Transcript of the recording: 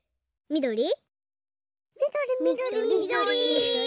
みどり！